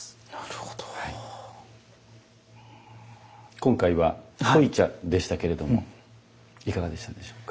今回は濃茶でしたけれどもいかがでしたでしょうか。